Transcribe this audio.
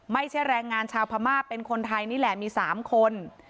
ไม่ใช่แรงงานชาวพม่าเป็นคนไทยนี่แหละมี๓คน